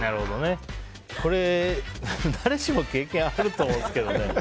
これ、誰しも経験があると思うんですけどね。